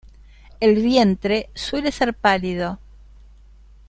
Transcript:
El vientre suele ser pálido.